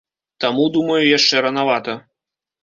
Таму, думаю, яшчэ ранавата.